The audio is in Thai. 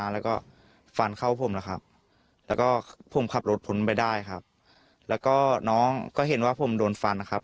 แล้วก็ผมขับรถพนไปได้ครับแล้วก็น้องก็เห็นว่าผมโดนฟันครับ